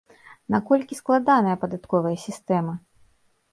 Наколькі складаная падатковая сістэма?